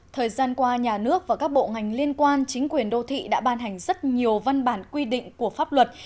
thời gian qua nhà nước và các bộ ngành liên quan chính quyền đô thị đã ban hành rất nhiều văn bản quy định của pháp luật